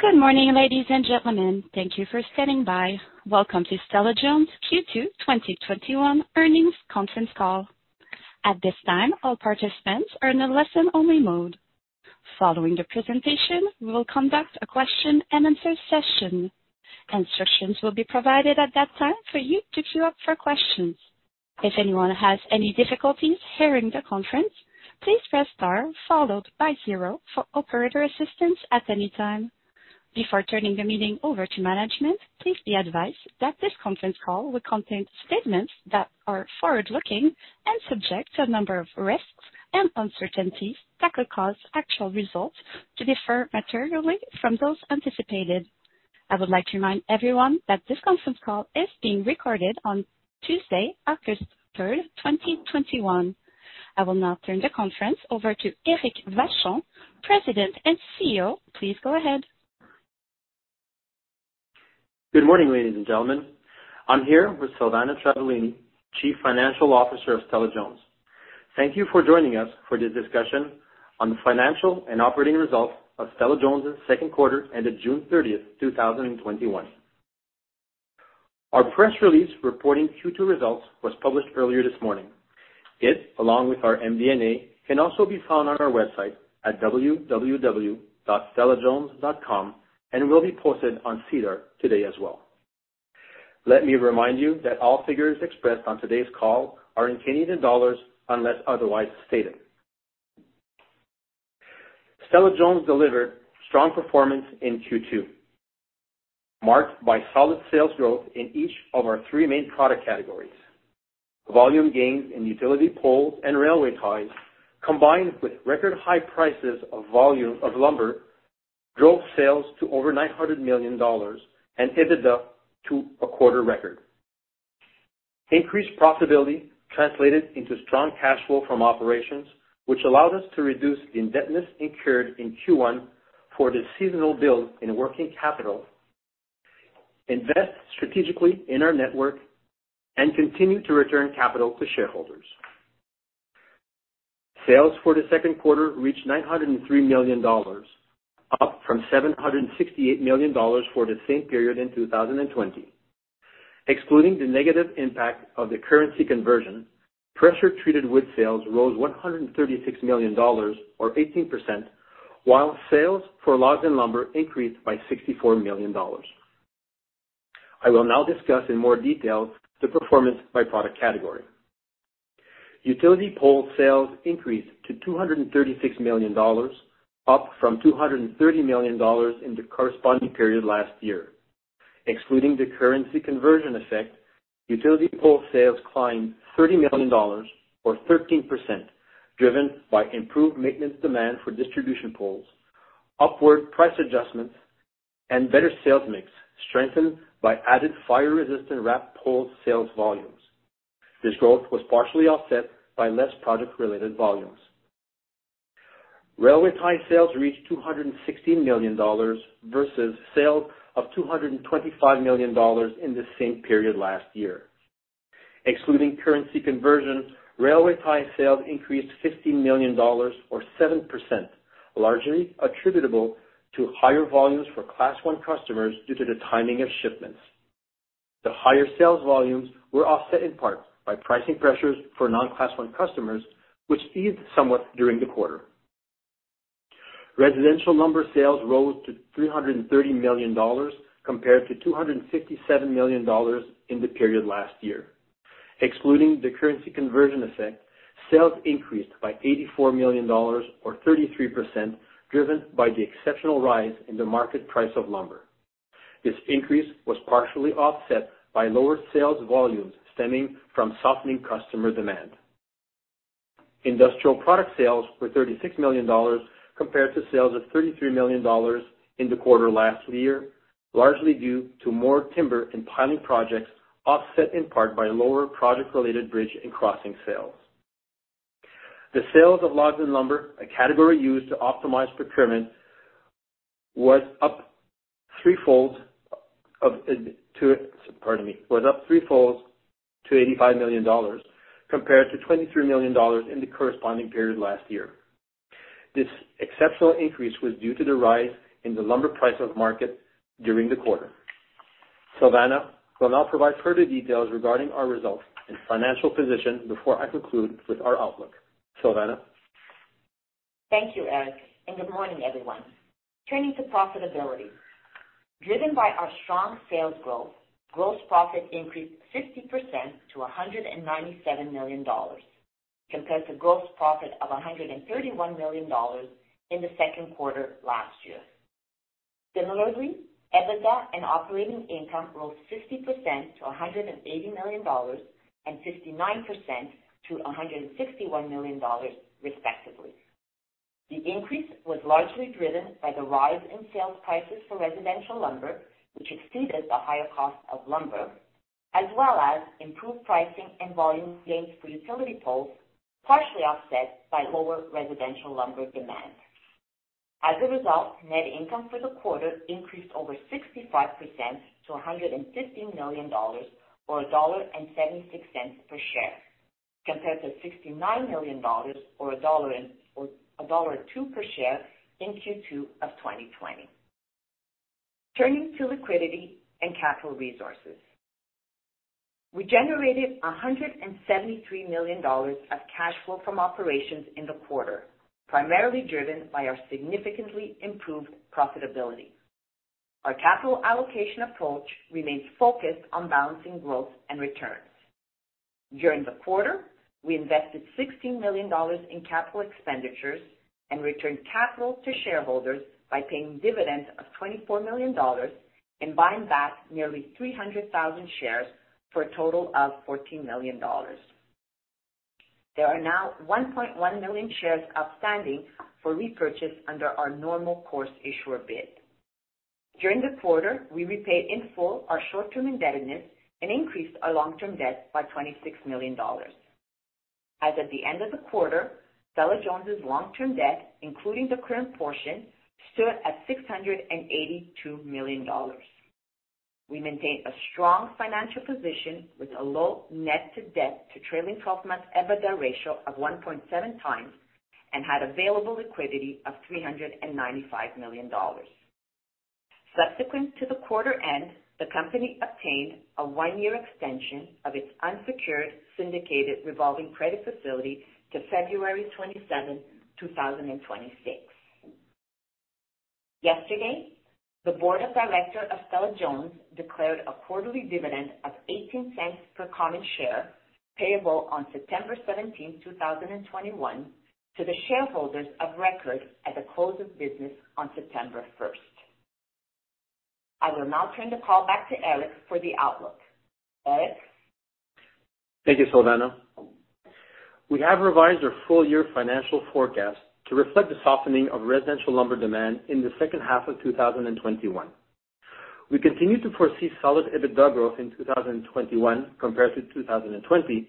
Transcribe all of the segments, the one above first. Good morning, ladies and gentlemen. Thank you for standing by. Welcome to Stella-Jones' Q2 2021 earnings conference call. At this time, all participants are in a listen-only mode. Following the presentation, we will conduct a question and answer session. Instructions will be provided at that time for you to queue up for questions. If anyone has any difficulties hearing the conference, please press star followed by zero for operator assistance at any time. Before turning the meeting over to management, please be advised that this conference call will contain statements that are forward-looking and subject to a number of risks and uncertainties that could cause actual results to differ materially from those anticipated. I would like to remind everyone that this conference call is being recorded on Tuesday, August 3rd, 2021. I will now turn the conference over to Éric Vachon, President and CEO. Please go ahead. Good morning, ladies and gentlemen. I'm here with Silvana Travaglini, Chief Financial Officer of Stella-Jones. Thank you for joining us for the discussion on the financial and operating results of Stella-Jones' second quarter ended June 30th, 2021. Our press release reporting Q2 results was published earlier this morning. It, along with our MD&A, can also be found on our website at www.stellajones.com, and will be posted on SEDAR today as well. Let me remind you that all figures expressed on today's call are in Canadian dollars unless otherwise stated. Stella-Jones delivered strong performance in Q2, marked by solid sales growth in each of our three main product categories. Volume gains in utility poles and railway ties, combined with record high prices of lumber, drove sales to over 900 million dollars and EBITDA to a quarter record. Increased profitability translated into strong cash flow from operations, which allowed us to reduce the indebtedness incurred in Q1 for the seasonal build in working capital, invest strategically in our network, and continue to return capital to shareholders. Sales for the second quarter reached 903 million dollars, up from 768 million dollars for the same period in 2020. Excluding the negative impact of the currency conversion, pressure treated wood sales rose 136 million dollars or 18%, while sales for logs and lumber increased by 64 million dollars. I will now discuss in more detail the performance by product category. Utility pole sales increased to 236 million dollars, up from 230 million dollars in the corresponding period last year. Excluding the currency conversion effect, utility pole sales climbed 30 million dollars or 13%, driven by improved maintenance demand for distribution poles, upward price adjustments, and better sales mix strengthened by added fire-resistant wrapped pole sales volumes. This growth was partially offset by less project-related volumes. railway tie sales reached 216 million dollars versus sales of 225 million dollars in the same period last year. Excluding currency conversion, railway tie sales increased 15 million dollars or 7%, largely attributable to higher volumes for Class I customers due to the timing of shipments. The higher sales volumes were offset in part by pricing pressures for non-Class I customers, which eased somewhat during the quarter. residential lumber sales rose to 330 million dollars compared to 257 million dollars in the period last year. Excluding the currency conversion effect, sales increased by 84 million dollars or 33%, driven by the exceptional rise in the market price of lumber. This increase was partially offset by lower sales volumes stemming from softening customer demand. Industrial product sales were 36 million dollars compared to sales of 33 million dollars in the quarter last year, largely due to more timber and piling projects, offset in part by lower project-related bridge and crossing sales. The sales of logs and lumber, a category used to optimize procurement, was up threefold to 85 million dollars compared to 23 million dollars in the corresponding period last year. This exceptional increase was due to the rise in the lumber price of market during the quarter. Silvana will now provide further details regarding our results and financial position before I conclude with our outlook. Silvana? Thank you, Éric, and good morning, everyone. Turning to profitability. Driven by our strong sales growth, gross profit increased 50% to 197 million dollars compared to gross profit of 131 million dollars in the second quarter last year. Similarly, EBITDA and operating income rose 50% to 180 million dollars and 59% to 161 million dollars respectively. The increase was largely driven by the rise in sales prices for residential lumber, which exceeded the higher cost of lumber, as well as improved pricing and volume gains for utility poles, partially offset by lower residential lumber demand. As a result, net income for the quarter increased over 65% to 115 million dollars or 1.76 dollar per share. Compared to 69 million dollars or 1.02 dollar per share in Q2 of 2020. Turning to liquidity and capital resources. We generated 173 million dollars of cash flow from operations in the quarter, primarily driven by our significantly improved profitability. Our capital allocation approach remains focused on balancing growth and returns. During the quarter, we invested 16 million dollars in capital expenditures and returned capital to shareholders by paying dividends of 24 million dollars and buying back nearly 300,000 shares for a total of 14 million dollars. There are now 1.1 million shares outstanding for repurchase under our Normal Course Issuer Bid. During the quarter, we repaid in full our short-term indebtedness and increased our long-term debt by 26 million dollars. As of the end of the quarter, Stella-Jones' long-term debt, including the current portion, stood at 682 million dollars. We maintained a strong financial position with a low net debt to trailing 12-month EBITDA ratio of 1.7x and had available liquidity of 395 million dollars. Subsequent to the quarter end, the company obtained a one-year extension of its unsecured, syndicated revolving credit facility to February 27th, 2026. Yesterday, the board of directors of Stella-Jones declared a quarterly dividend of 0.18 per common share, payable on September 17, 2021, to the shareholders of record at the close of business on September 1st. I will now turn the call back to Éric for the outlook. Éric? Thank you, Silvana. We have revised our full-year financial forecast to reflect the softening of residential lumber demand in the second half of 2021. We continue to foresee solid EBITDA growth in 2021 compared to 2020,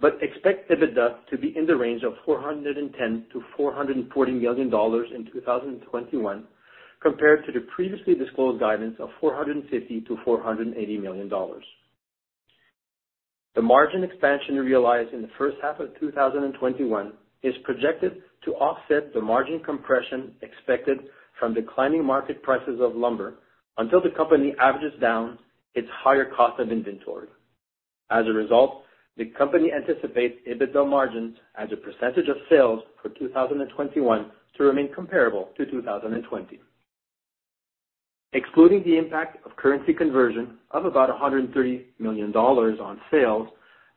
but expect EBITDA to be in the range of 410 million-440 million dollars in 2021, compared to the previously disclosed guidance of 450 million-480 million dollars. The margin expansion realized in the first half of 2021 is projected to offset the margin compression expected from declining market prices of lumber until the company averages down its higher cost of inventory. As a result, the company anticipates EBITDA margins as a percentage of sales for 2021 to remain comparable to 2020. Excluding the impact of currency conversion of about 130 million dollars on sales,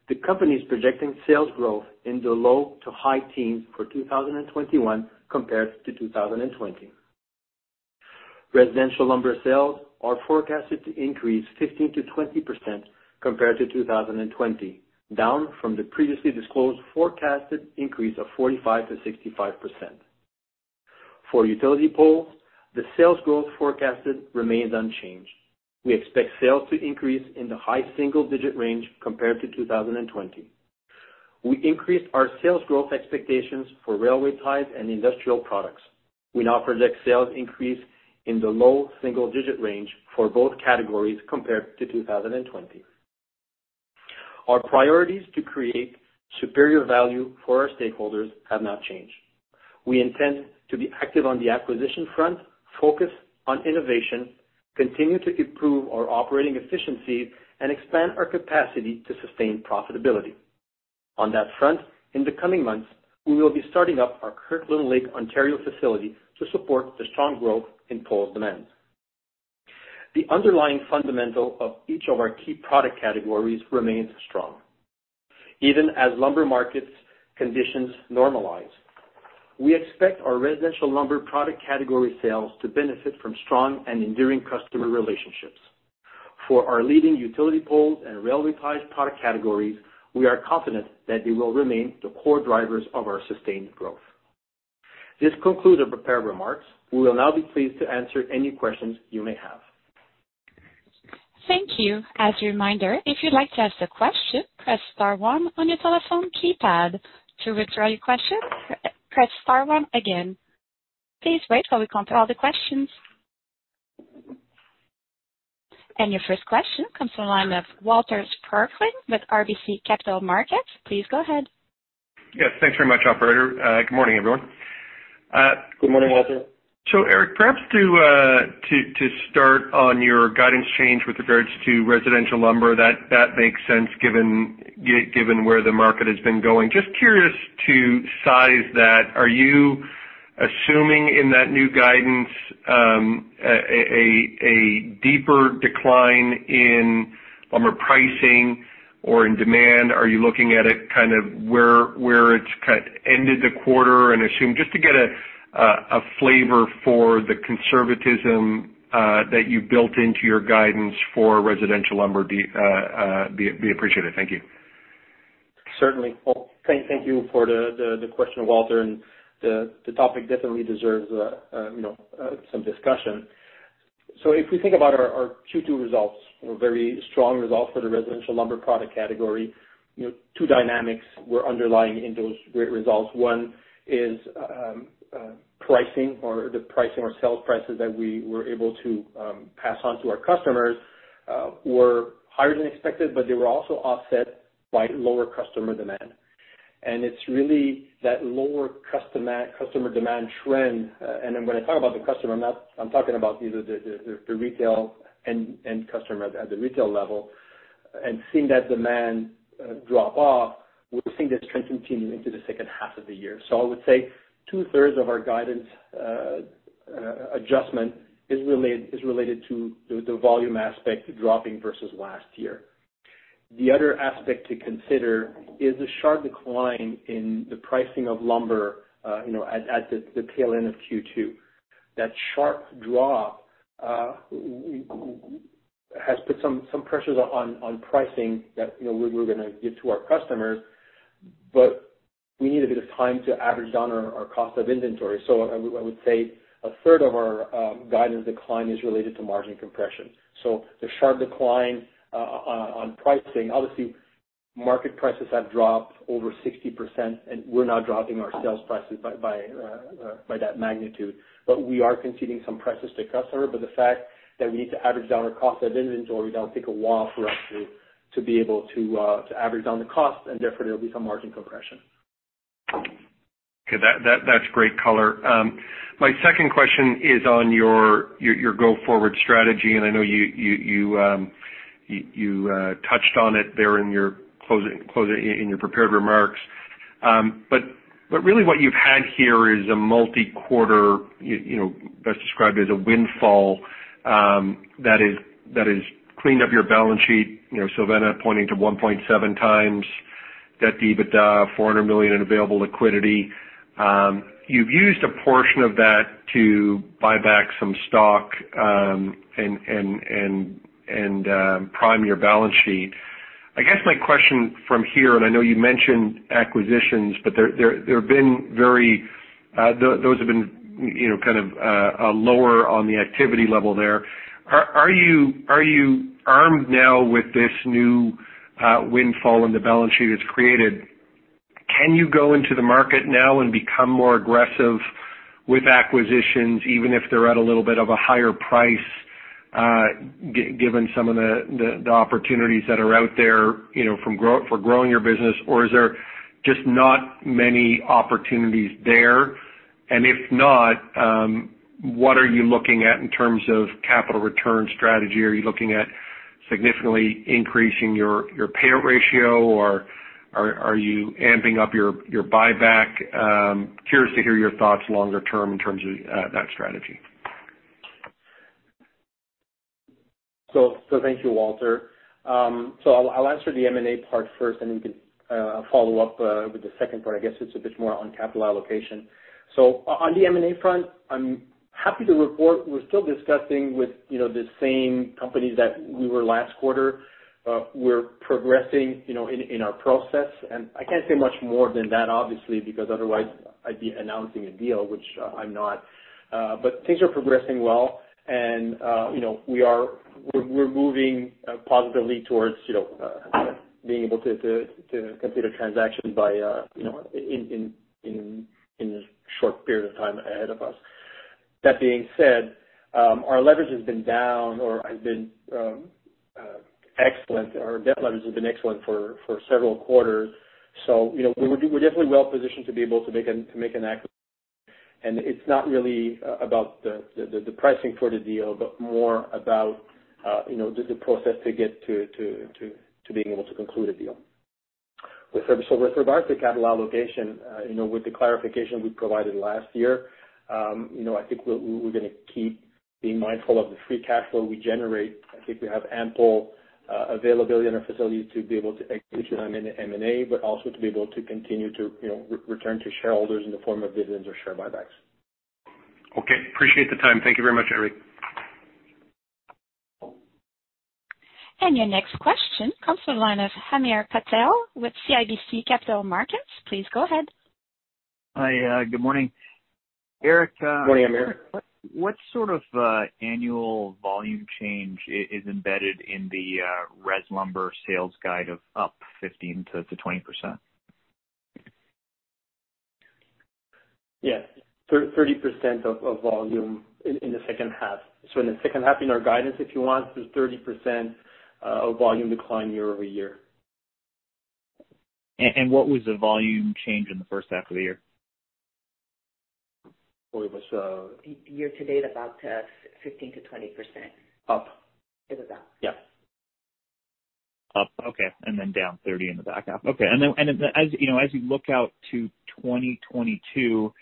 the company's projecting sales growth in the low to high teens for 2021 compared to 2020. Residential lumber sales are forecasted to increase 15%-20% compared to 2020, down from the previously disclosed forecasted increase of 45%-65%. For utility poles, the sales growth forecasted remains unchanged. We expect sales to increase in the high single-digit range compared to 2020. We increased our sales growth expectations for railway ties and industrial products. We now project sales increase in the low double single-digit range for both categories compared to 2020. Our priorities to create superior value for our stakeholders have not changed. We intend to be active on the acquisition front, focus on innovation, continue to improve our operating efficiency, and expand our capacity to sustain profitability. On that front, in the coming months, we will be starting up our Kirkland Lake, Ontario facility to support the strong growth in poles demand. The underlying fundamental of each of our key product categories remains strong. Even as lumber markets conditions normalize, we expect our residential lumber product category sales to benefit from strong and enduring customer relationships. For our leading utility poles and railway ties product categories, we are confident that they will remain the core drivers of our sustained growth. This concludes our prepared remarks. We will now be pleased to answer any questions you may have. Thank you. As a reminder, if you’d like to ask a question, press star one on your telephone keypad to retrieve your question. Press star one again. Please wait, how we compile all the questions. Your first question comes from the line of Walter Spracklin with RBC Capital Markets. Please go ahead. Yes. Thanks very much, operator. Good morning, everyone. Good morning, Walter. Éric, perhaps to start on your guidance change with regards to residential lumber, that makes sense given where the market has been going. Just curious to size that. Are you assuming in that new guidance a deeper decline in lumber pricing or in demand? Are you looking at it kind of where it's ended the quarter? Just to get a flavor for the conservatism that you built into your guidance for residential lumber. Be appreciative. Thank you. Certainly. Well, thank you for the question, Walter, and the topic definitely deserves some discussion. If we think about our Q2 results, very strong results for the residential lumber product category, two dynamics were underlying in those great results. One is pricing or sales prices that we were able to pass on to our customers were higher than expected, but they were also offset by lower customer demand. It's really that lower customer demand trend. When I talk about the customer, I'm talking about the retail end customer at the retail level. Seeing that demand drop off, we're seeing that trend continue into the second half of the year. I would say 2/3 of our guidance adjustment is related to the volume aspect dropping versus last year. The other aspect to consider is the sharp decline in the pricing of lumber at the tail end of Q2. That sharp drop has put some pressures on pricing that we're going to give to our customers, but we need a bit of time to average down our cost of inventory. I would say a third of our guidance decline is related to margin compression. The sharp decline on pricing, obviously market prices have dropped over 60%, and we're not dropping our sales prices by that magnitude. We are conceding some prices to customer, but the fact that we need to average down our cost of inventory, that'll take a while for us to be able to average down the cost, and therefore, there'll be some margin compression. Okay. That's great color. My second question is on your go-forward strategy, and I know you touched on it there in your closing, in your prepared remarks. Really what you've had here is a multi-quarter, best described as a windfall, that has cleaned up your balance sheet. Silvana pointing to 1.7x that EBITDA, 400 million in available liquidity. You've used a portion of that to buy back some stock and prime your balance sheet. I guess my question from here, and I know you mentioned acquisitions, but those have been kind of lower on the activity level there. Are you armed now with this new windfall and the balance sheet it's created? Can you go into the market now and become more aggressive with acquisitions, even if they're at a little bit of a higher price, given some of the opportunities that are out there for growing your business? Or is there just not many opportunities there? If not, what are you looking at in terms of capital return strategy? Are you looking at significantly increasing your payout ratio, or are you amping up your buyback? Curious to hear your thoughts longer term in terms of that strategy. Thank you, Walter Spracklin. I'll answer the M&A part first, and you can follow up with the second part. I guess it's a bit more on capital allocation. On the M&A front, I'm happy to report we're still discussing with the same companies that we were last quarter. We're progressing in our process. I can't say much more than that, obviously, because otherwise I'd be announcing a deal, which I'm not. Things are progressing well and we're moving positively towards being able to complete a transaction in the short period of time ahead of us. That being said, our debt leverage has been excellent for several quarters. We're definitely well positioned to be able to make an acquisition, and it's not really about the pricing for the deal, but more about the process to get to being able to conclude a deal. With regards to capital allocation, with the clarification we provided last year, I think we're going to keep being mindful of the free cash flow we generate. I think we have ample availability in our facility to be able to execute on M&A, but also to be able to continue to return to shareholders in the form of dividends or share buybacks. Okay. Appreciate the time. Thank you very much, Éric. Your next question comes from the line of Hamir Patel with CIBC Capital Markets. Please go ahead. Hi. Good morning. Good morning, Hamir. Éric, what sort of annual volume change is embedded in the res lumber sales guide of up 15%-20%? Yes. 30% of volume in the second half. In the second half, in our guidance, if you want, there's 30% of volume decline year-over-year. What was the volume change in the first half of the year? Well, it was. Year to date, about 15%-20%. Up. It was up. Yeah. Up. Okay. Then down 30% in the back half. Okay. Then, as you look out to 2022,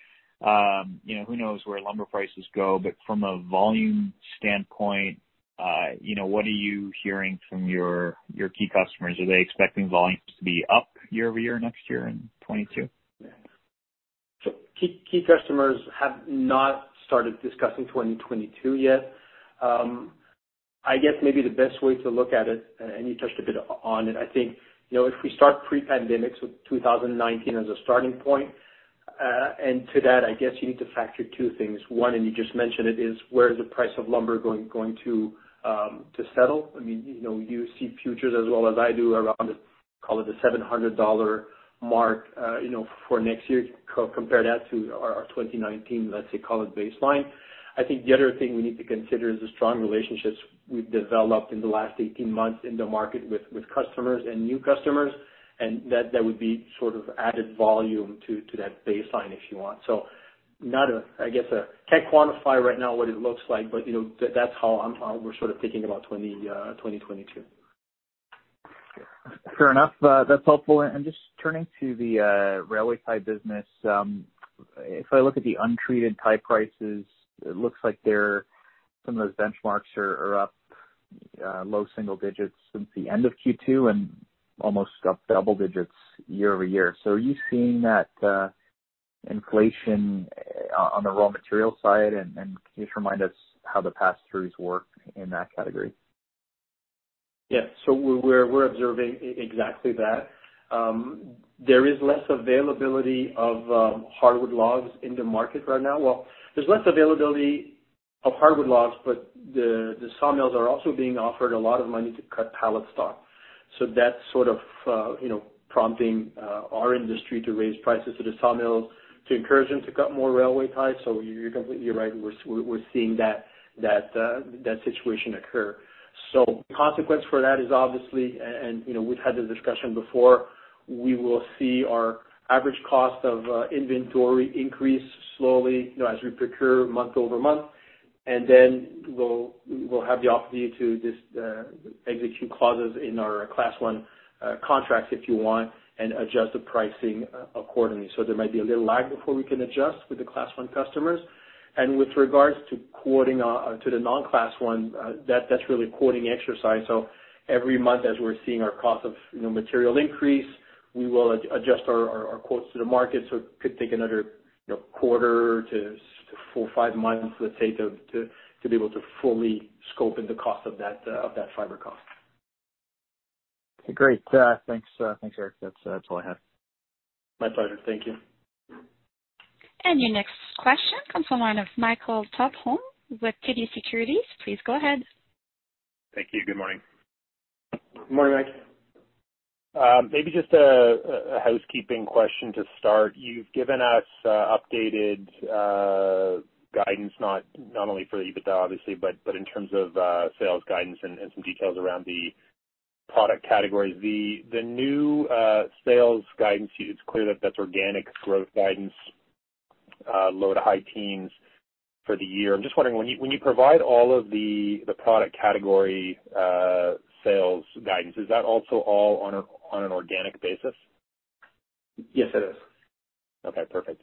who knows where lumber prices go, but from a volume standpoint, what are you hearing from your key customers? Are they expecting volumes to be up year-over-year next year in 2022? Key customers have not started discussing 2022 yet. I guess maybe the best way to look at it, and you touched a bit on it, I think, if we start pre-pandemic, so 2019 as a starting point, and to that, I guess you need to factor two things. One, and you just mentioned it, is where is the price of lumber going to settle? You see futures as well as I do around it. Call it a 700 dollar mark for next year. Compare that to our 2019, let's say, call it baseline. I think the other thing we need to consider is the strong relationships we've developed in the last 18 months in the market with customers and new customers, and that would be sort of added volume to that baseline if you want. I can't quantify right now what it looks like, but that's how we're sort of thinking about 2022. Fair enough. That's helpful. Just turning to the railway tie business, if I look at the untreated tie prices, it looks like some of those benchmarks are up low single digits since the end of Q2 and almost up double digits year-over-year. Are you seeing that inflation on the raw material side? Can you just remind us how the pass-throughs work in that category? Yeah. We're observing exactly that. There is less availability of hardwood logs in the market right now. Well, there's less availability of hardwood logs, but the sawmills are also being offered a lot of money to cut pallet stock. That's sort of prompting our industry to raise prices to the sawmills to encourage them to cut more railway ties. You're completely right. We're seeing that situation occur. Consequence for that is obviously, and we've had this discussion before, we will see our average cost of inventory increase slowly as we procure month-over-month. We'll have the opportunity to just execute clauses in our Class I contracts if you want, and adjust the pricing accordingly. There might be a little lag before we can adjust with the Class I customers. With regards to quoting to the non-Class I, that's really quoting exercise. Every month, as we're seeing our cost of material increase, we will adjust our quotes to the market. It could take another quarter to four, five months, let's say, to be able to fully scope in the cost of that fiber cost. Great. Thanks, Éric. That's all I have. My pleasure. Thank you. Your next question comes from one of Michael Tupholme with TD Securities. Please go ahead. Thank you. Good morning. Good morning, Michael. Maybe just a housekeeping question to start. You've given us updated guidance, not only for EBITDA, obviously, but in terms of sales guidance and some details around the product categories. The new sales guidance, it's clear that that's organic growth guidance, low to high teens for the year. I'm just wondering, when you provide all of the product category sales guidance, is that also all on an organic basis? Yes, it is. Okay, perfect.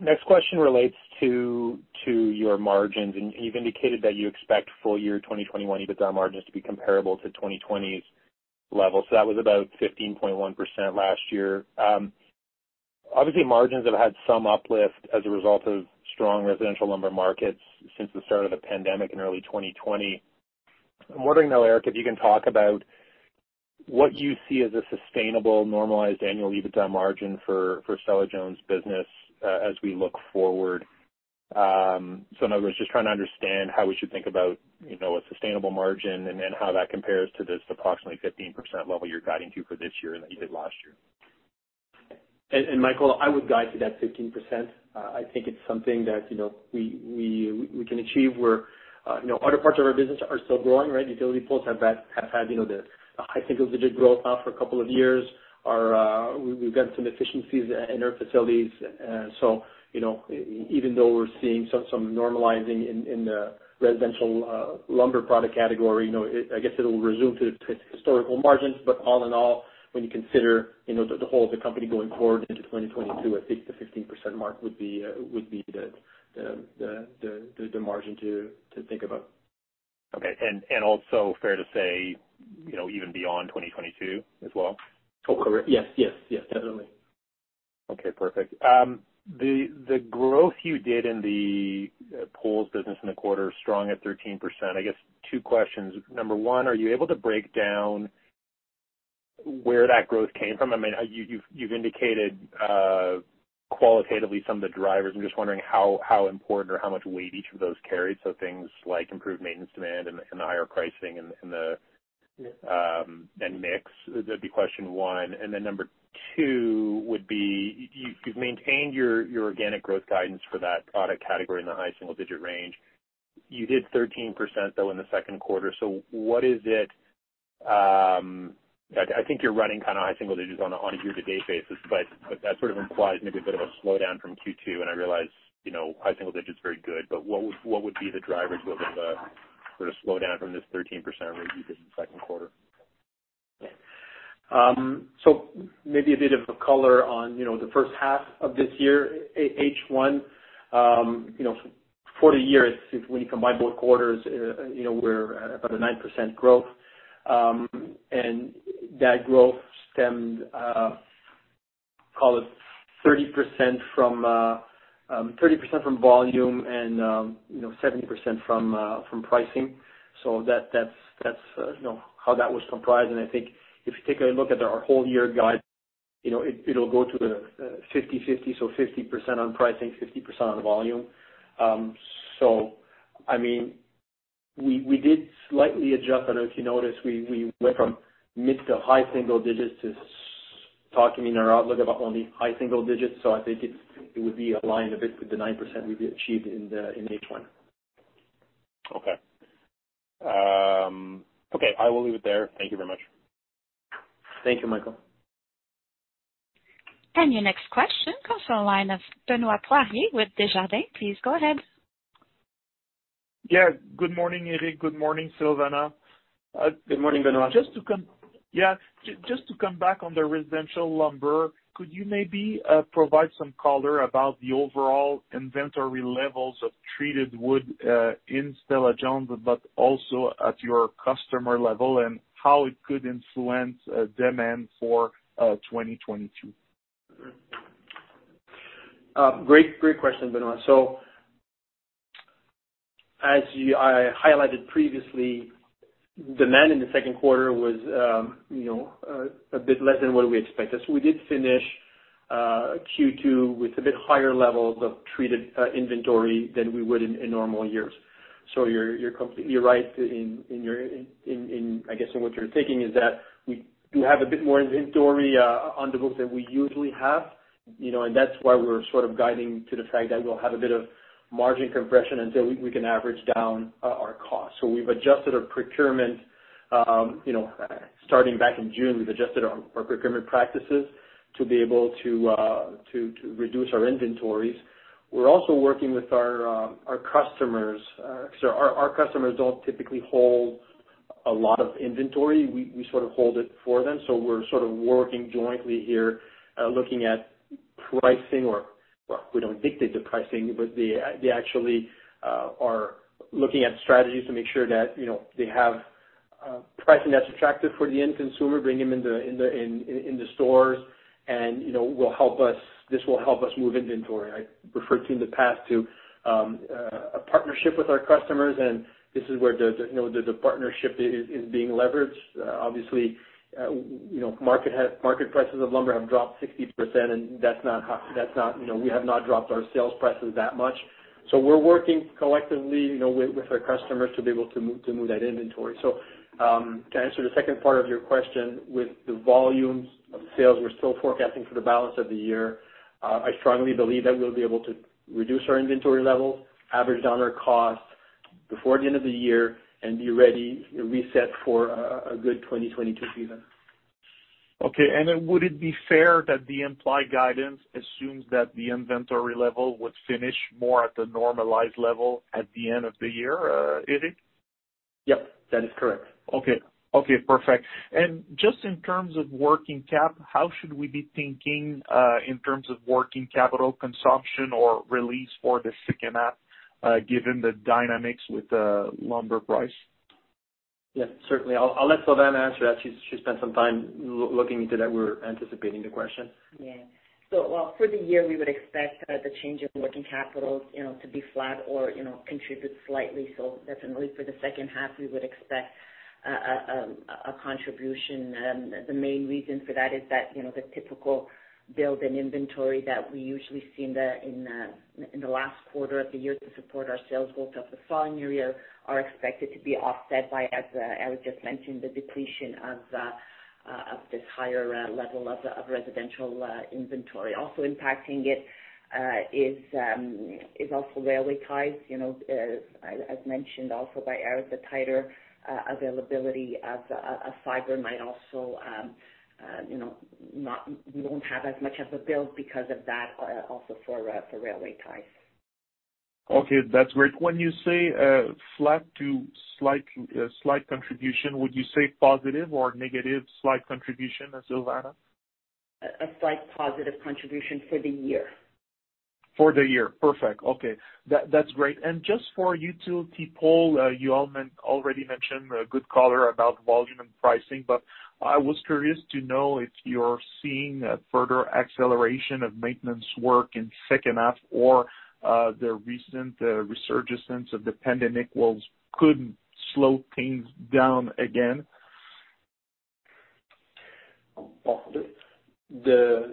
Next question relates to your margins. You've indicated that you expect full year 2021 EBITDA margins to be comparable to 2020's level. That was about 15.1% last year. Obviously, margins have had some uplift as a result of strong residential lumber markets since the start of the pandemic in early 2020. I'm wondering, though, Éric, if you can talk about what you see as a sustainable normalized annual EBITDA margin for Stella-Jones business as we look forward. In other words, just trying to understand how we should think about a sustainable margin and then how that compares to this approximately 15% level you're guiding to for this year and that you did last year. Michael, I would guide to that 15%. I think it's something that we can achieve where other parts of our business are still growing, right? utility poles have had the high single-digit growth now for a couple of years. We've gotten some efficiencies in our facilities. Even though we're seeing some normalizing in the residential lumber product category, I guess it'll resume to its historical margins. All in all, when you consider the whole of the company going forward into 2022, I think the 15% mark would be the margin to think about. Okay. Also fair to say, even beyond 2022 as well? Oh, correct. Yes. Definitely. Okay, perfect. The growth you did in the poles business in the quarter, strong at 13%. I guess two questions. Number one, are you able to break down where that growth came from? You've indicated qualitatively some of the drivers. I'm just wondering how important or how much weight each of those carry. Things like improved maintenance demand and the higher pricing and mix. That'd be question one. Number two would be, you've maintained your organic growth guidance for that product category in the high single-digit range. You did 13%, though, in the second quarter. What is it-- I think you're running kind of high single digits on a year-to-date basis, but that sort of implies maybe a bit of a slowdown from Q2, and I realize high single digit's very good. What would be the drivers of a sort of slowdown from this 13% rate you did in the second quarter? Maybe a bit of color on the first half of this year, H1. For the year, when you combine both quarters, we're about a 9% growth. That growth stemmed, call it 30% from volume and 70% from pricing. That's how that was comprised. I think if you take a look at our whole year guide, it'll go to the 50/50, 50% on pricing, 50% on volume. We did slightly adjust. I don't know if you noticed, we went from mid to high single digits to talking in our outlook about only high single digits. I think it would be aligned a bit with the 9% we've achieved in H1. Okay. I will leave it there. Thank you very much. Thank you, Michael. Your next question comes from the line of Benoit Poirier with Desjardins Securities. Please go ahead. Yeah. Good morning, Éric. Good morning, Silvana. Good morning, Benoit. Yeah. Just to come back on the residential lumber, could you maybe provide some color about the overall inventory levels of treated wood in Stella-Jones, but also at your customer level and how it could influence demand for 2022? Great question, Benoit. As I highlighted previously, demand in the second quarter was a bit less than what we expected. We did finish Q2 with a bit higher levels of treated inventory than we would in normal years. You're completely right in, I guess, what you're thinking is that we do have a bit more inventory on the books than we usually have, and that's why we're sort of guiding to the fact that we'll have a bit of margin compression until we can average down our costs. We've adjusted our procurement starting back in June. We've adjusted our procurement practices to be able to reduce our inventories. We're also working with our customers. Our customers don't typically hold a lot of inventory. We sort of hold it for them. We're sort of working jointly here, looking at pricing or well, we don't dictate the pricing, but they actually are looking at strategies to make sure that they have pricing that's attractive for the end consumer, bring them into the stores, and this will help us move inventory. I referred to in the past to a partnership with our customers, and this is where the partnership is being leveraged. Obviously, market prices of lumber have dropped 60%, and we have not dropped our sales prices that much. We're working collectively with our customers to be able to move that inventory. To answer the second part of your question, with the volumes of sales we're still forecasting for the balance of the year, I strongly believe that we'll be able to reduce our inventory level, average down our cost before the end of the year, and be ready, reset for a good 2022 season. Okay. Would it be fair that the implied guidance assumes that the inventory level would finish more at the normalized level at the end of the year, Éric? Yep, that is correct. Okay. Perfect. Just in terms of working cap, how should we be thinking in terms of working capital consumption or release for the second half, given the dynamics with lumber price? Yeah, certainly. I'll let Silvana answer that. She spent some time looking into that. We were anticipating the question. Yeah. Well, for the year, we would expect the change in working capital to be flat or contribute slightly. Definitely for the second half, we would expect a contribution. The main reason for that is that the typical build and inventory that we usually see in the last quarter of the year to support our sales goals of the following year are expected to be offset by, as Éric just mentioned, the depletion of this higher level of residential inventory. Also impacting it is also railway ties. As mentioned also by Éric, the tighter availability of fiber might also, we won't have as much of a build because of that also for railway ties. Okay. That's great. When you say flat to slight contribution, would you say positive or negative slight contribution, Silvana? A slight positive contribution for the year. For the year. Perfect. Okay. That's great. Just for utility pole, you already mentioned a good color about volume and pricing, but I was curious to know if you're seeing a further acceleration of maintenance work in second half or the recent resurgence of the pandemic could slow things down again? The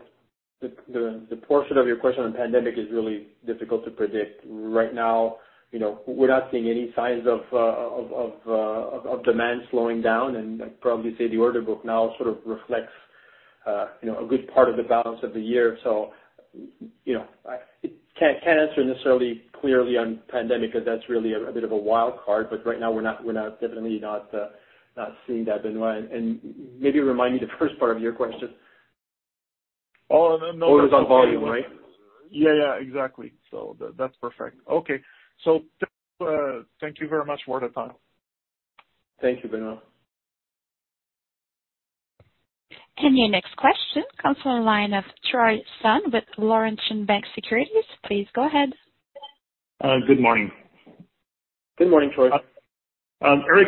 portion of your question on pandemic is really difficult to predict right now. We're not seeing any signs of demand slowing down. I'd probably say the order book now sort of reflects a good part of the balance of the year. I can't answer necessarily clearly on pandemic because that's really a bit of a wild card. Right now we're definitely not seeing that, Benoit. Maybe remind me the first part of your question. Oh, no. Orders on volume, right? Yeah, exactly. That's perfect. Okay. Thank you very much for the time. Thank you, Benoit. Your next question comes from the line of Troy Sun with Laurentian Bank Securities. Please go ahead. Good morning. Good morning, Troy. Éric,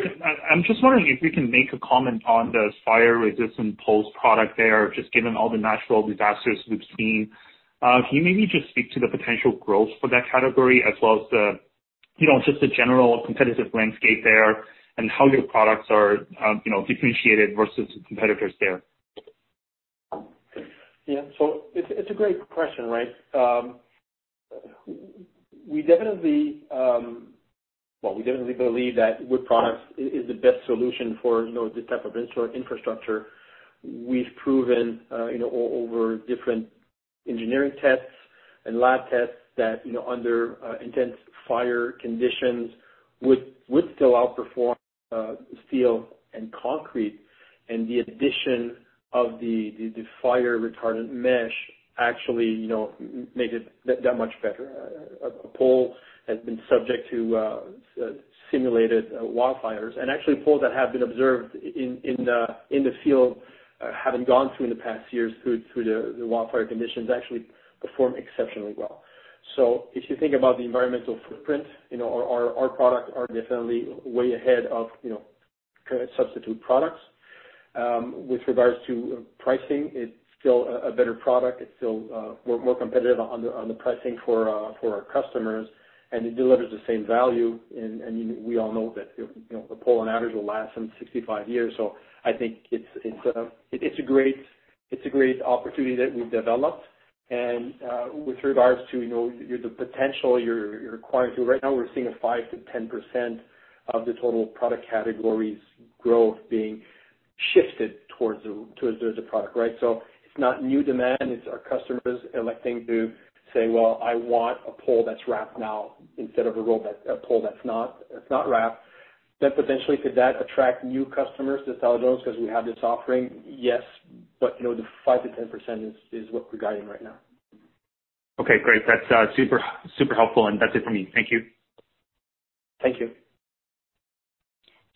I'm just wondering if you can make a comment on the fire-resistant poles product there, just given all the natural disasters we've seen. Can you maybe just speak to the potential growth for that category as well as the just a general competitive landscape there and how your products are differentiated versus competitors there. It's a great question. We definitely believe that wood products is the best solution for this type of infrastructure. We've proven over different engineering tests and lab tests that under intense fire conditions, wood still outperforms steel and concrete, and the addition of the fire retardant mesh actually made it that much better. A pole has been subject to simulated wildfires, and actually poles that have been observed in the field, having gone through the past years through the wildfire conditions, actually perform exceptionally well. If you think about the environmental footprint, our products are definitely way ahead of substitute products. With regards to pricing, it's still a better product. We're more competitive on the pricing for our customers, and it delivers the same value, and we all know that a pole on average will last them 65 years. I think it's a great opportunity that we've developed. With regards to the potential, you're acquiring. Right now we're seeing a 5%-10% of the total product categories growth being shifted towards the product, right? It's not new demand. It's our customers electing to say, "Well, I want a pole that's wrapped now instead of a pole that's not wrapped." Potentially, could that attract new customers to Stella-Jones because we have this offering? Yes. The 5%-10% is what we're guiding right now. Okay, great. That's super helpful. That's it for me. Thank you. Thank you.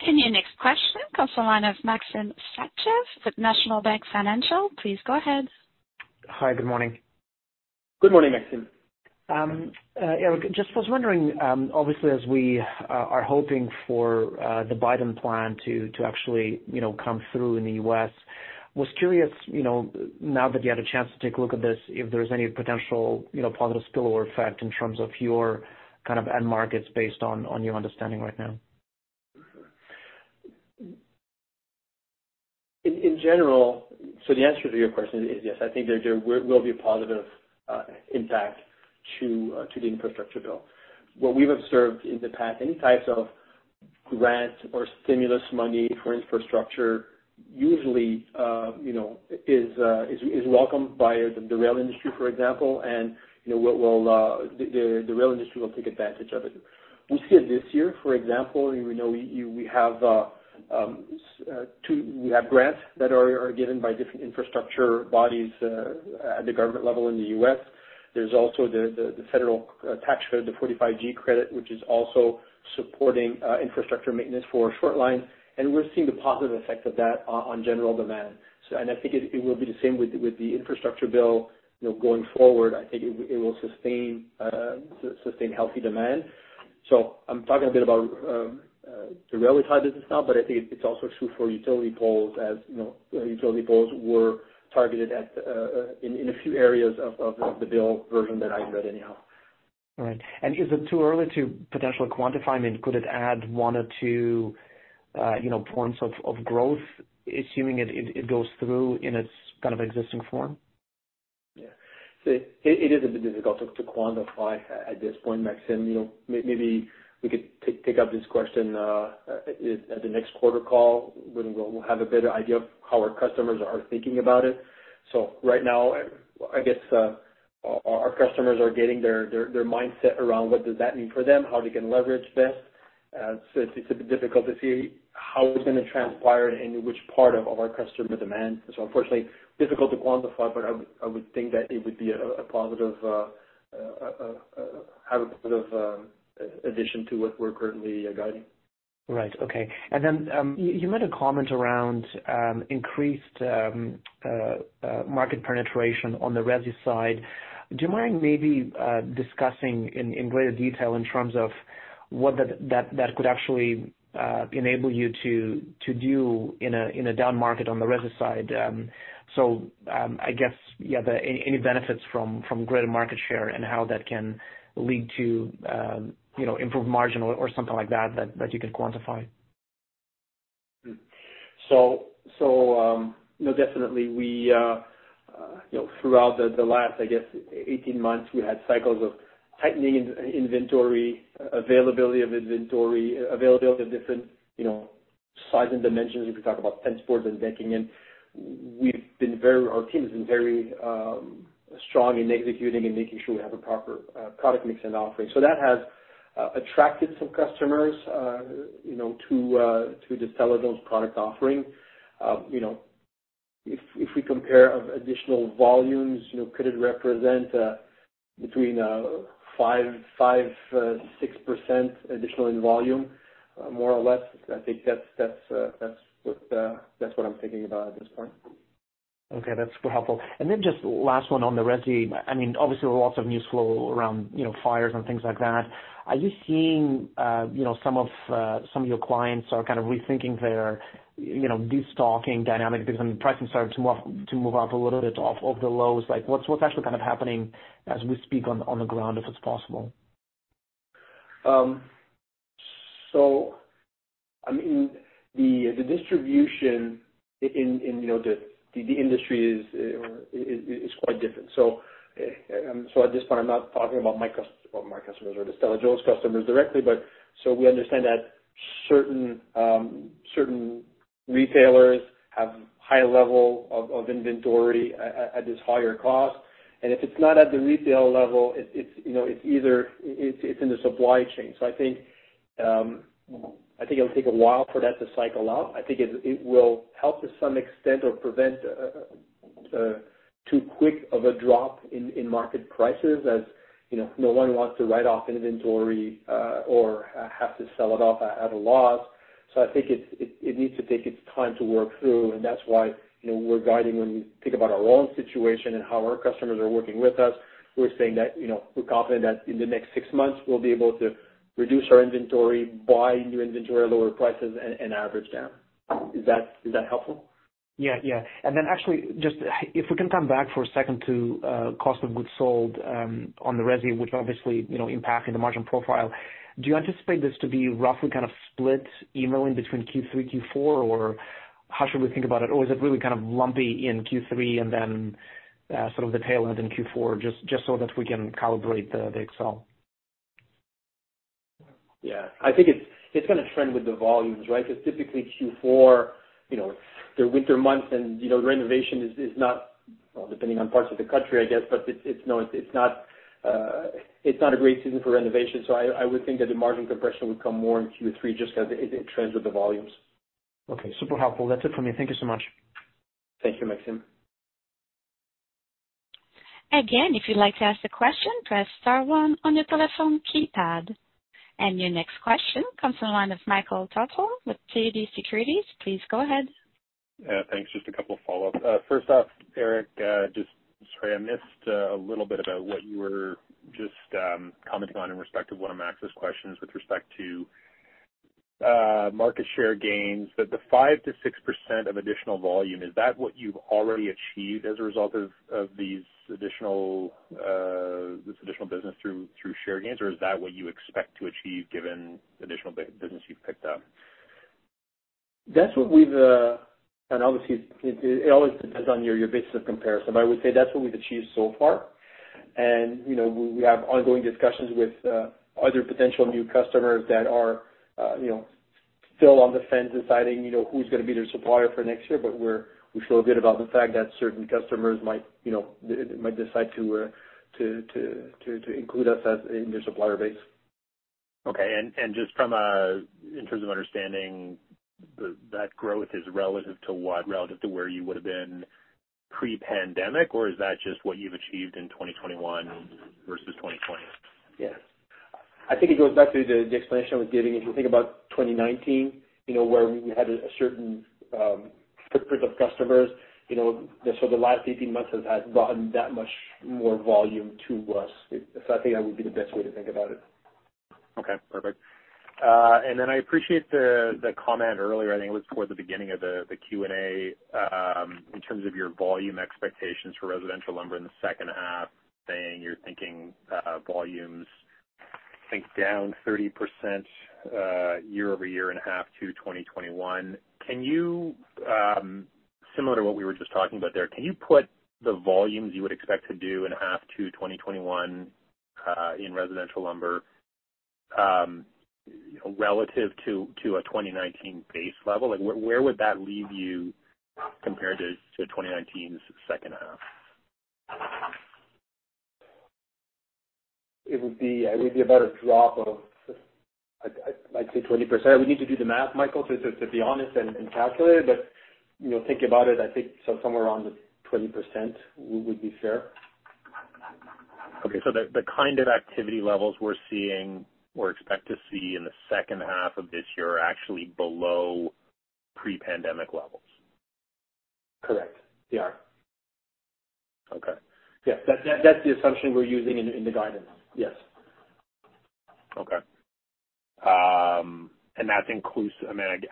Your next question comes from the line of Maxim Sytchev with National Bank Financial. Please go ahead. Hi. Good morning. Good morning, Maxim. Éric, just was wondering, obviously as we are hoping for the Biden Plan to actually come through in the U.S., was curious, now that you had a chance to take a look at this, if there's any potential positive spillover effect in terms of your kind of end markets based on your understanding right now? In general, the answer to your question is yes, I think there will be a positive impact to the infrastructure bill. What we've observed in the past, any types of grant or stimulus money for infrastructure usually is welcomed by the rail industry, for example, and the rail industry will take advantage of it. We see it this year, for example, we have grants that are given by different infrastructure bodies at the government level in the U.S. There's also the federal tax credit, the 45G credit, which is also supporting infrastructure maintenance for short lines. We're seeing the positive effect of that on general demand. I think it will be the same with the infrastructure bill going forward. I think it will sustain healthy demand. I'm talking a bit about the railway ties business now, but I think it's also true for utility poles, as utility poles were targeted in a few areas of the bill version that I read anyhow. All right. Is it too early to potentially quantify? I mean, could it add one or two points of growth, assuming it goes through in its kind of existing form? Yeah. It is a bit difficult to quantify at this point, Maxim. Maybe we could pick up this question at the next quarter call when we'll have a better idea of how our customers are thinking about it. Right now, I guess our customers are getting their mindset around what does that mean for them, how they can leverage this. It's a bit difficult to see how it's going to transpire and which part of our customer demand. Unfortunately, difficult to quantify, but I would think that it would be a positive addition to what we're currently guiding. Right. Okay. Then you made a comment around increased market penetration on the resi side. Do you mind maybe discussing in greater detail in terms of what that could actually enable you to do in a down market on the resi side? I guess any benefits from greater market share and how that can lead to improved margin or something like that you can quantify. Definitely throughout the last, I guess 18 months, we had cycles of tightening inventory, availability of inventory, availability of different sizes and dimensions. We could talk about fence boards and decking, and our team has been very strong in executing and making sure we have a proper product mix and offering. That has attracted some customers to the Stella-Jones product offering. If we compare additional volumes, could it represent between 5%-6% additional in volume, more or less? I think that's what I'm thinking about at this point. Okay. That's super helpful. Just last one on the resi. I mean, obviously lots of news flow around fires and things like that. Are you seeing some of your clients are kind of rethinking their de-stocking dynamic because pricing started to move up a little bit off of the lows? What's actually kind of happening as we speak on the ground, if it's possible? The distribution in the industry is quite different. At this point, I'm not talking about my customers or the Stella-Jones customers directly, but we understand that certain retailers have a high level of inventory at this higher cost. If it's not at the retail level, it's in the supply chain. I think it'll take a while for that to cycle out. I think it will help to some extent or prevent too quick of a drop in market prices as no one wants to write off inventory or have to sell it off at a loss. I think it needs to take its time to work through, and that's why we're guiding when we think about our own situation and how our customers are working with us. We're saying that we're confident that in the next six months, we'll be able to reduce our inventory, buy new inventory at lower prices, and average down. Is that helpful? Yeah. Then actually, if we can come back for a second to cost of goods sold on the resi, which obviously, impacting the margin profile. Do you anticipate this to be roughly kind of split even in between Q3, Q4, or how should we think about it? Is it really kind of lumpy in Q3 and then sort of the tail end in Q4, just so that we can calibrate the Excel? Yeah. I think it's going to trend with the volumes, right? Typically Q4, the winter months and renovation is not, well, depending on parts of the country, I guess, but it's not a great season for renovation. I would think that the margin compression would come more in Q3 just as it trends with the volumes. Okay, super helpful. That's it for me. Thank you so much. Thank you, Maxim. Again, if you'd like to ask a question, press star one on the telephone keypad. Your next question comes from the line of Michael Tupholme with TD Securities. Please go ahead. Yeah, thanks. Just a couple of follow-ups. First off, Éric, sorry I missed a little bit about what you were just commenting on in respect of one of Maxim's questions with respect to market share gains. The 5%-6% of additional volume, is that what you've already achieved as a result of this additional business through share gains, or is that what you expect to achieve given the additional business you've picked up? Obviously it always depends on your basis of comparison. I would say that's what we've achieved so far. We have ongoing discussions with other potential new customers that are still on the fence deciding who's gonna be their supplier for next year, but we feel good about the fact that certain customers might decide to include us in their supplier base. Okay. Just in terms of understanding that growth is relative to what? Relative to where you would've been pre-pandemic, or is that just what you've achieved in 2021 versus 2020? Yeah. I think it goes back to the explanation I was giving. If you think about 2019, where we had a certain footprint of customers, the last 18 months has added gotten that much more volume to us. I think that would be the best way to think about it. Okay, perfect. I appreciate the comment earlier, I think it was toward the beginning of the Q&A, in terms of your volume expectations for residential lumber in the second half, saying you're thinking volumes, I think, down 30% year-over-year in half two 2021. Similar to what we were just talking about there, can you put the volumes you would expect to do in half two 2021 in residential lumber relative to a 2019 base level? Where would that leave you compared to 2019's second half? It would be about a drop of, I'd say 20%. We need to do the math, Michael, to be honest and calculate it. Thinking about it, I think somewhere around the 20% would be fair. Okay. The kind of activity levels we're seeing or expect to see in the second half of this year are actually below pre-pandemic levels. Correct. They are. Okay. Yeah. That's the assumption we're using in the guidance. Yes.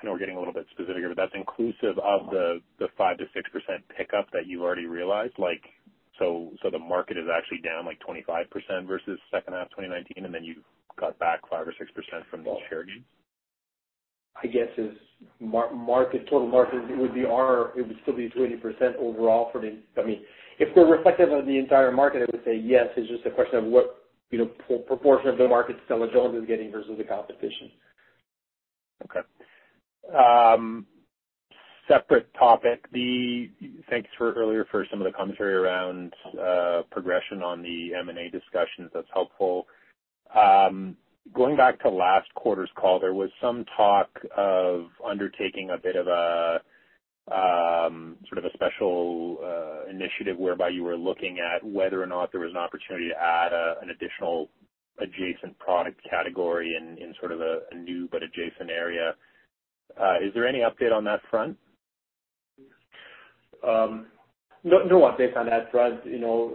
I know we're getting a little bit specific here, but that's inclusive of the 5%-6% pickup that you've already realized? The market is actually down like 25% versus second half 2019, and then you got back 5% or 6% from the share gains? I guess total market, it would still be 20% overall. If we're reflective of the entire market, I would say yes. It's just a question of what proportion of the market Stella-Jones is getting versus the competition. Okay. Separate topic. Thanks for earlier for some of the commentary around progression on the M&A discussions. That's helpful. Going back to last quarter's call, there was some talk of undertaking a bit of a sort of a special initiative whereby you were looking at whether or not there was an opportunity to add an additional adjacent product category in sort of a new but adjacent area. Is there any update on that front? No update on that front.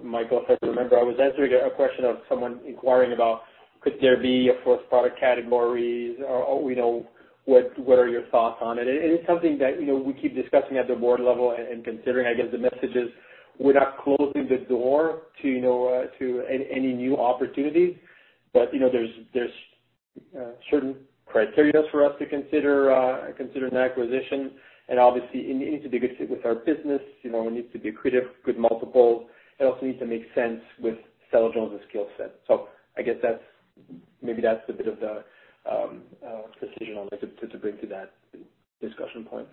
Michael, if I remember, I was answering a question of someone inquiring about could there be a fourth product category, or what are your thoughts on it? It's something that we keep discussing at the board level and considering. I guess the message is, we're not closing the door to any new opportunities, but there's certain criteria for us to consider in acquisition, and obviously it needs to be a good fit with our business. We need to be accretive, good multiples. It also needs to make sense with Stella-Jones' skill set. I guess maybe that's a bit of the decision I'd like to bring to that discussion point.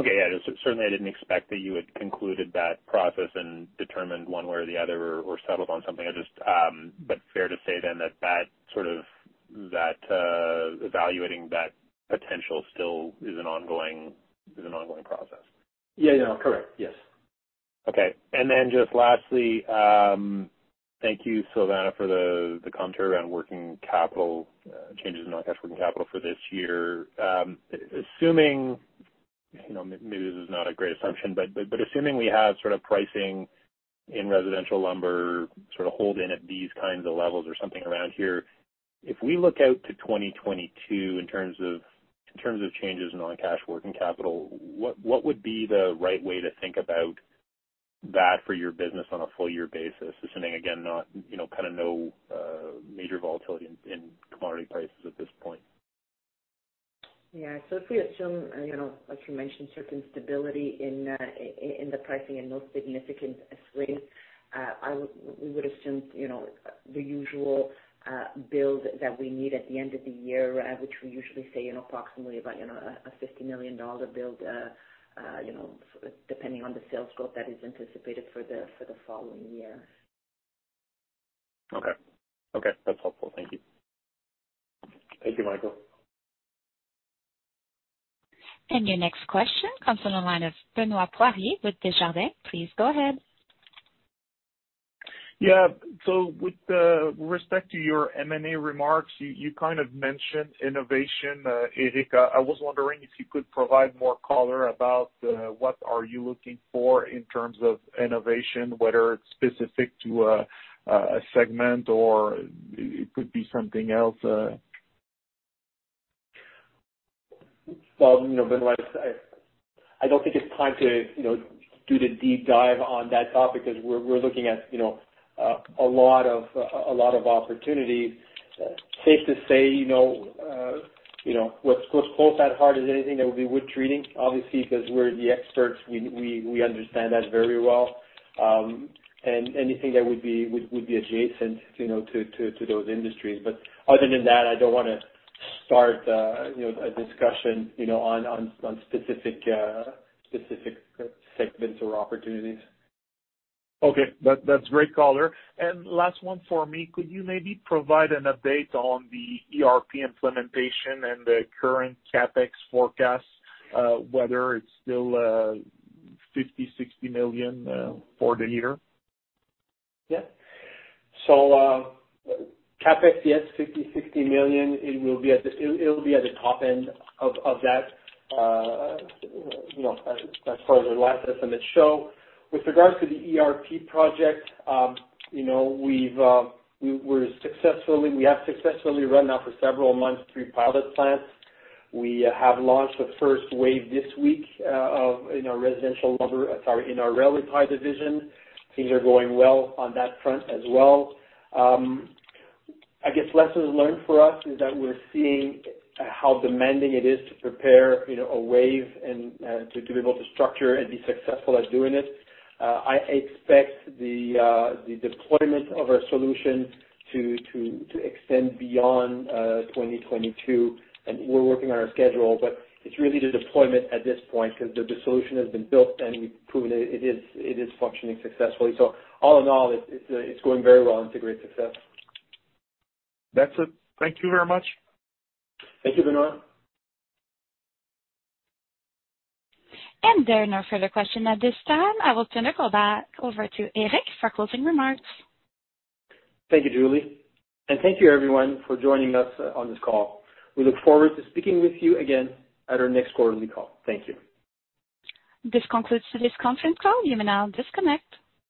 Okay. Yeah. Certainly I didn't expect that you had concluded that process and determined one way or the other or settled on something. Fair to say then that evaluating that potential still is an ongoing process. Yeah. Correct. Yes. Okay. Then just lastly, thank you, Silvana, for the commentary around working capital changes in non-cash working capital for this year. Maybe this is not a great assumption. Assuming we have sort of pricing in residential lumber, sort of holding at these kinds of levels or something around here. If we look out to 2022 in terms of changes in non-cash working capital, what would be the right way to think about that for your business on a full year basis, assuming, again, kind of no major volatility in commodity prices at this point? Yeah. If we assume, like you mentioned, certain stability in the pricing and no significant swings, we would assume the usual build that we need at the end of the year, which we usually say approximately about a 50 million dollar build, depending on the sales growth that is anticipated for the following year. Okay. That's helpful. Thank you. Thank you, Michael. Your next question comes on the line of Benoit Poirier with Desjardins. Please go ahead. Yeah. With respect to your M&A remarks, you kind of mentioned innovation, Éric. I was wondering if you could provide more color about what are you looking for in terms of innovation, whether it's specific to a segment or it could be something else. Well, Benoit, I don't think it's time to do the deep dive on that topic because we're looking at a lot of opportunity. Safe to say, what's close at heart is anything that would be wood treating, obviously, because we're the experts. We understand that very well. Anything that would be adjacent to those industries. Other than that, I don't want to start a discussion on specific segments or opportunities. Okay. That's great color. Last one for me, could you maybe provide an update on the ERP implementation and the current CapEx forecast, whether it's still 50 million-60 million for the year? CapEx, yes, 50 million-60 million. It will be at the top end of that as far as our last estimates show. With regards to the ERP project, we have successfully run now for several months three pilot plants. We have launched the first wave this week in our residential lumber-- sorry, in our railway tie division. Things are going well on that front as well. I guess lessons learned for us is that we're seeing how demanding it is to prepare a wave and to be able to structure and be successful at doing it. I expect the deployment of our solution to extend beyond 2022. We're working on our schedule, but it's really the deployment at this point because the solution has been built and we've proven it is functioning successfully. All in all, it's going very well and it's a great success. That's it. Thank you very much. Thank you, Benoit. There are no further questions at this time. I will turn the call back over to Éric for closing remarks. Thank you, Julie. Thank you everyone for joining us on this call. We look forward to speaking with you again at our next quarterly call. Thank you. This concludes this conference call. You may now disconnect.